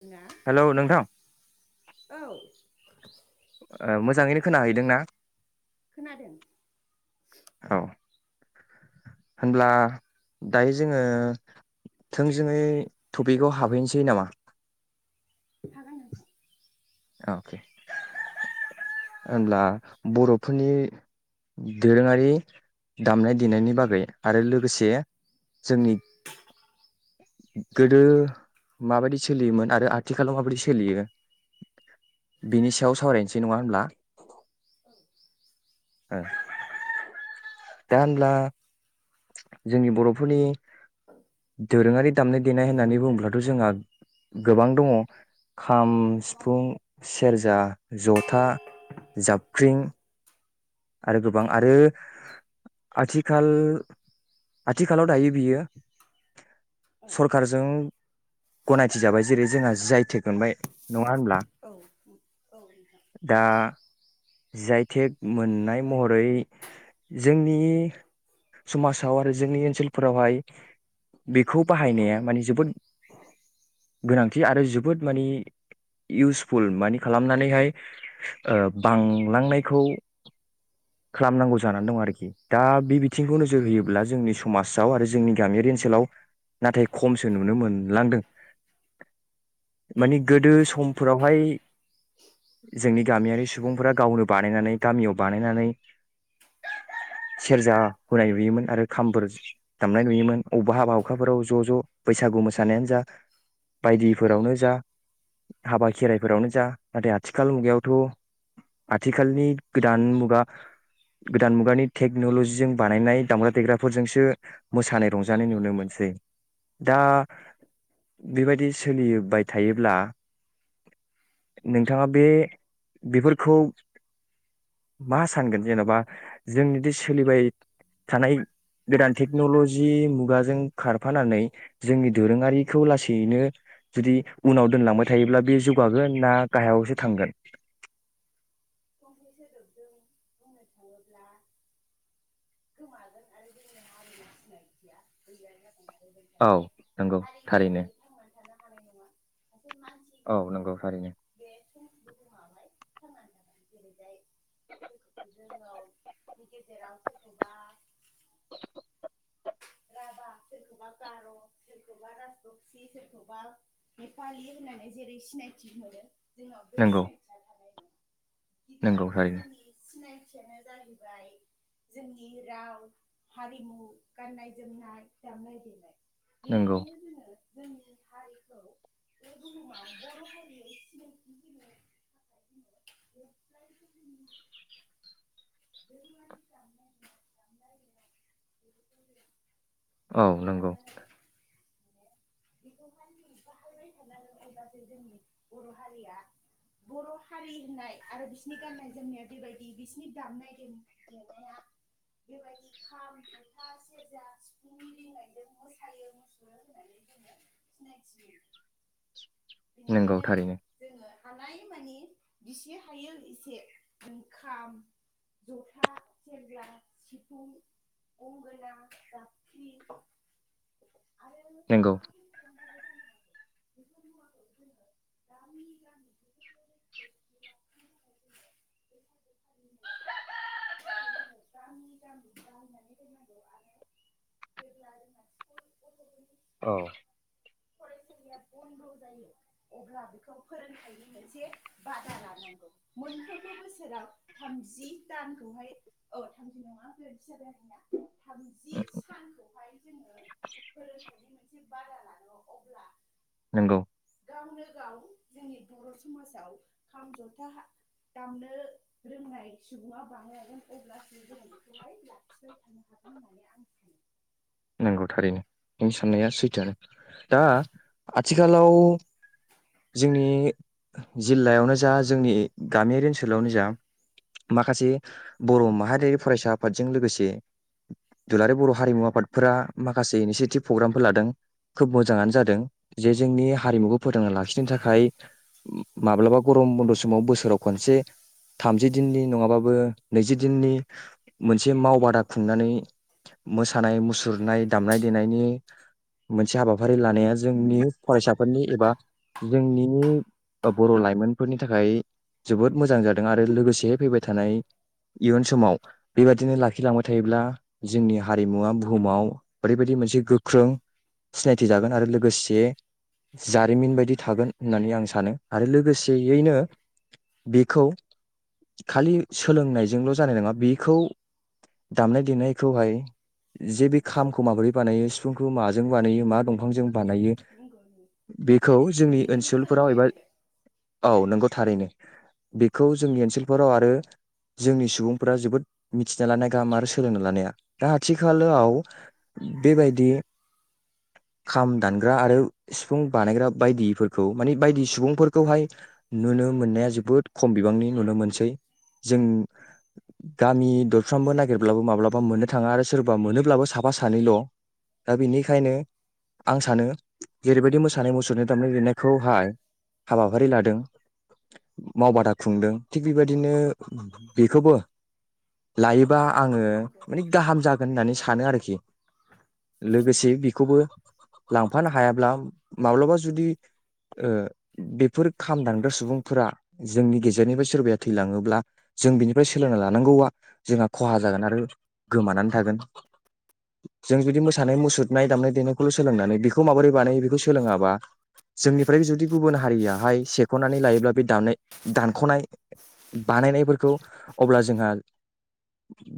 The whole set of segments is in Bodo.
औ हेलौ नोंथां [inaudible] मोजाङैनो खोनाहैदों ना? खोनादों औ होनब्ला दायो जोङो थोंजोङै टपिकआव हाबहैनोसै नामा हागोन अके होनब्ला बरफोरनि दोरोङारि दामनाय देनायनि बागै आरो लोगोसे जोंनि गोदो माबायदि सोलियोमोन आरो आथिखालाव माबायदि सोलियो बिनि सायाव सावरायनोसै नङा होनब्ला ओ दा होनब्ला जोंनि बरफोरनि दोरोङारि दामनाय देनाय होननानै बुङोब्लाथ जोंहा गोबां दङ खाम सिफुं सेरजा जथा औ जाबख्रिं आरो गोबां आरो आथिखाल आथिखालाव दायो बियो औ सरखारजों गनायथि जाबाय जेरै जोंहा जि आइ टेक मोनबाय। नङा होनब्ला औ नोंथां दा जि आइ टेक मोननाय महरै जोंनि समाजाव आरो जोंनि ओनसोलफोरावहाय बेखौ बाहायनाया माने जोबोद गोनांथि आरो जोबोद माने इउसफुल मानि खालामनानैहाय बांलांनायखौ खालामनांगौ जानानै दं आरो खि दा बे बिथिंखौ नोजोर होयोब्ला जोंनि समाजाव आरो जोंनि गामियारि ओनसोलाव नाथाय खमसो नुनो मोनलांदों माने गोदो औ समफोरावहाय जोंनि गामियारि सुबुंफोरा गावनो बानायनानै गामियाव बानायनानै सेरजा होनाय नुयोमोन आरो खामफोर दामनाय नुयोमोन अबेबा हाबा अखाफोराव ज ज बैसागु मोसानायानो जा बायदिफोरावनो जा हाबा खेराइफोरावनो जा नाथाय आथिखाल मुगायावथ आथिखालनि गोदान मुगा गोदान मुगानि टेक्नलजिजों बानायनाय दामग्रा देग्राफोरजोंसो मोसानाय रंजानाय नुनो मोनसै दा बेबायदि सोलिबाय थायोब्ला नोंथाङा बे बिगुर बेखौ मा सानगोन जेनबा जोंनिदि सोलिबाय थानाय गोदान टेक्नलजि मुगाजों खारफानानै जोंनि दोरोङारिखौ लासैनो जुदि उनाव दोनलांबाय थायोब्ला बे जौगागोन ना गाहायावसो थांगोन [inaudible] औ नंगौ थारैनो थानाय नङा मानसि औ हिसाबैनो नंगौ जोङो थारैनो बे [inaudible] [inaudible] जोंनाव [inaudible] राभा सोरखौबा गार सोरखौबा राजबक्सि सोरखौबा नेपालि होननानै जेरै सिनायथि मोनो जोंनाव बे नंगौ सिनायथिया थानाय दं नंगौ गिबियावनो थारैनो जोंनि सिनाय थियानो जाहैबाय जोंनि राव हारिमु गाननाय जोमनाय दानाय लुनाय नंगौ बिनिखायनो जोङो जोंनि हारिखौ बे बुहुमाव बर हारि [inaudible] [inaudible] [inaudible] [unintelligible] औ नंगौ बर हारिया बर हारि होननाय आरो बिसिनि गाननाय जोमनाया बेबायदि बिसोरनि दामनाय [unintelligible] बेबायदि खाम, जथा, सेरजा, सिफुंनि रिंनायजों मोसायो मुसुरो होननानै जोंङो सिनायथियो। नंगौ बेनिखायनो थारैनो जोङो हानायमानि बिसे हायो एसे खाम जथा, सेरजा, सिफुं, गंगोना, जाबख्रिं आरो नोंगौ। [inaudible] [inaudible] औ। फरायसालिया बन्द जायो अब्ला बेखौ फोरोंथायनि मोनसे बादा लानांगौ। मोनफ्रोमबो बोसोराव थामजि दानखौहाय औ [inaudible] थामजि सानखौहाय जोङो फोरोंनो नांगौ। बारा लाङो अब्ला नंगौ। गावनो गाव जोंनि बर समाजाव खाम जथा दामनो रोंनाय सुबुङा बारायगोन अब्लासो जों बेखौहाय लाखिबाय थानो हागोन होननानै आं सानो। नांगौ थारैनो नोंनि साननाया सैथोआनो। दा आथिखालाव जोंनि जिलायावनो जा जोंनि गामियारि ओनसोलावनो जा माखासे बर माहारियारि फरायसा आफादजों लोगोसे दुलाराय बर हारिमु आफाद फोरा माखासे इनिसियेटिभ प्रग्रामफोर लादों। खोब मोजाङानो जादों जे जोंनि हारिमुखौ फोथांना लाखिनो थाखाय माब्लाबा गरम बन्द समाव बोसोराव खनसे थामजि दिननि नङाबाबो नैजि दिननि मोनसे मावबादा खुंनानै मोसानाय मुसु रनाय दामनाय देनायनि मोनसे हाबाफारि लानाया जोंनि फरायसाफोरनि एबा जोंनि बर लाइमोनफोरनि थाखाय जोबोद मोजां जादों। आरो लोगोसे फैबाय थानाय इयुन समाव बेबायदिनो लाखिलांबाय थायोब्ला जोंनि हारिमुवा बुहुमाव ओरैबायदि मोनसे गोख्रों सिनायथि जागोन आरो लोगोसे जारिमिन बायदि थागोन होननानै आं सानो। आरो लोगोसेयैनो बेखौ खालि सोलोंनायजोंल जानाय नङा बेखौ दामनाय देनायखौहाय जे बे खामखौ माबोरै बानायो सिफुंखौ माजों बानायो मा दंफांजों बानायो नंगौ नंगौ बेखौ जोंनि बेनिबो ओनसोलफोराव फोरोंथाइ एबा नांगोन औ नंग थारैनो बेखौ जोंनि ओनसोलफोराव आरो जोंनि सुबुंफोरा जोबोद मिथिना लानाया गाहाम आरो सोलोंना लानाया। दा आथि खालाव बेबायदि खाम दानग्रा आरो सिफुं बानायग्रा बायदिफोरखौ माने बायदि सुबुंफोरखौहाय नुनो मोननाया जोबोद खम बिबांनि नुनो मोनसै। जों गामि दरफ्रामबो नागिरब्लाबो माब्लाबा मोननो थाङा। आरो सोरबा मोनोब्लाबो साफा सानैल दा बेनिखायनो आं सानो जेरैबायदि मोसानाय मुसुरनाय दामनाय देनायखौहाय हाबाफारि लादों मावबादा खुंदों थिग बेबायदिनो बेखौबो लायो बा आङो नंगौ माने गाहाम जा होननानै सानो आरोखि। लोगोसे नंगौ बेखौबो लां फानो हायाब्ला माब्लाबा जुदि ओ बेफोर खाम दानग्रा सुबुंफोरा जोंनि गेजेरनिफ्राय सोरबाया थैलाङोब्ला जों बिनिफ्राय सोलोंना लानांगौआ जोंहा खहा जागोन आरो गोमानानै थागोन जों जुदि मोसानाय मुसुरनाय दामनाय देनायखौल सोलोंनानै बेखौ माबोरै बानायो बेखौ सोलोङाबा जोंनिफ्राय जुदि गुबुन हारियाहाय सेखनानै लायोब्ला बे दाननाय दानखनाय बानायनायफोरखौ अब्ला जोंहा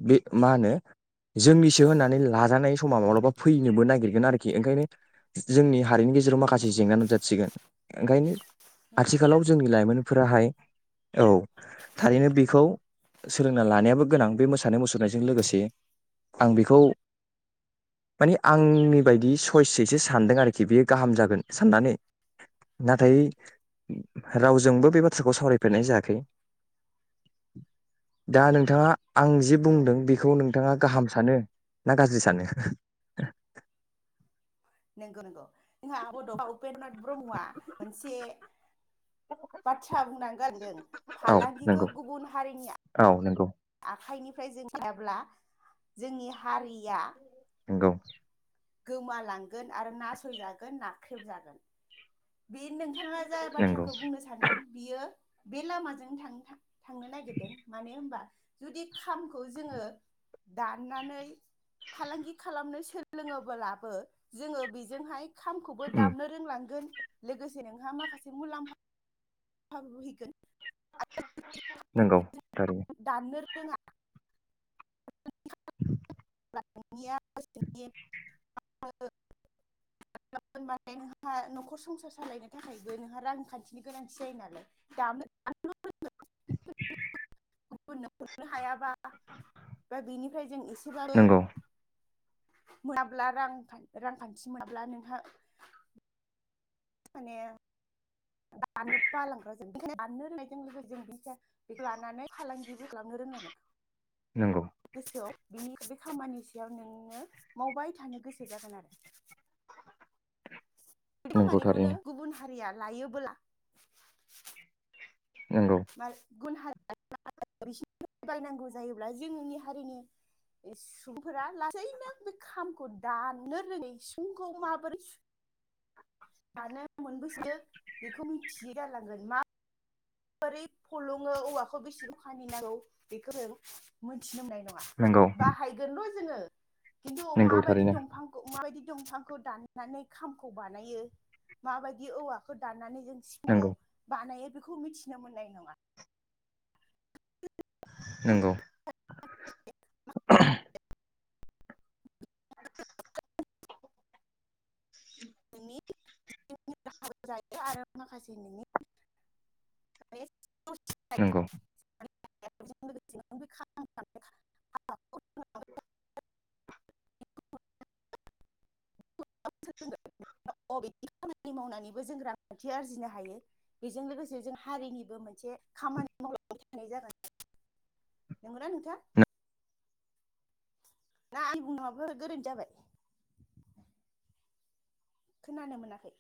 बे मा होनो जोंनिसो होननानै लाजानाय समा माब्लाबा फैनोबो नागिरगोन आरोखि। ओंखायनो जोंनि हारिनि गेजेराव माखासे जेंना नुजाथिसिगोन। ओंखायनो नंगौ आथिखालाव जोंनि लाइमोनफोराहाय औ थारैनो बेखौ सोलोंना लानायाबो गोनां बे मोसानाय मुसुरनायजों लोगोसे। आं बेखौ माने आंनि बायदि सयसजोंसो सानदों आरोखि बेयो गाहाम जागोन साननानै। नाथाय रावजोंबो बे बाथ्राखौ सावरायफेरनाय जायाखै। दा नोंथाङा आं जि नंगौ बुंदों बेखौ नोंथाङा गाहाम सानो ना गाज्रि सानो? नंगौ नंगौ जोंहा बड'फा उप उपेन्द्रनाथ ब्रह्मआ मोनसे बाथ्रा थ्रा बुंनानै गालांदों औ फालांगिखौ नंगौ गुबुन हारिनि औ नंगौ आखाइनि फ्राय जों थायाब्ला जोंनि हारिया गौ गोमालांगोन आरो नासयजागोन नाख्रेबजागोन। बे नोंथाङा जाय नंगौ बाथ्राखौ बुंनो सानदों बियो बे लामाजों थांनो-था-थांनो नागिरदों मानो होमबा जुदि खामखौ जोङो दाननानै फालांगि खालामनो सोलोङोबोलाबो जोङो बेजोंहाय खामखौबो उम दामनो रोंलांगोन। लोगोसे नोंहा माखासे मुलाम्फाबो फैगोन। नंगौ थारैनो दाननो रोंङा [inaudible] [inaudible] माने नोंहा नखर संसार सालायनो थाखायबो नोंहा रांखान्थिनि गोनांथि जायो नालाय [inaudible] गुबुनो हरनो हायाबा बा बेनिफ्राय जों एसे नंगौ मोनाब्ला रांखान-रांखान्थि मोनाब्ला नोंहा माने दाननो बालांग्रा जों दाननो रोंनायजों लोगोसे जों बेनिखायनो बेखौ लानानै फालांगिबो खालामनो रोंनांगोन। नंगौ गोसोयाव बिनि बे खामानि सायाव नोङो मावबाय थानो गोसो जागोन आरो। बे नंगौ खामानिखौनो थारैनो गुबुन हारिया लायोबोला नंगौ [inaudible] बायनांगौ जायोब्ला जोंनि हारिनि सुबुंफोरा लासैनो बे खामखौ दाननो रोङै सिफुंखौ माबोरै सु दानो [inaudible] बेखौ मिथियै जालांगोन मा बोरै फलङो औवाखौ बेसे जखानि नांगौ बेखौ मोनथिनो मोननाय नङा नंगौ बाहायगोनल जोङो। खिन्थु नंगौ माबायदि थारैनो दंफांखौ माबायदि दंफांखौ दाननानै खामखौ बानायो माबायदि औवाखौ दाननानै जों सिफुंखौ नंगौ बानायो बेखौ मिथि नो मोननाय नङा। नंगौ [inaudible] [inaudible] आरो माखासे नोंनि [inaudible] नंगौ [unintelligible] [unintelligible] बि खामानि मावनानैबो जों रांखान्थि आरजिनो हायो बेजों लोगोसे जों हारिनिबो मोनसे खामानि मावलांबाय थानाय जागोन नंगौ ना नोंथा ना आंनि बुंनाया माबाफोर गोरोन्थि जाबाय? खोनानो मोनाखै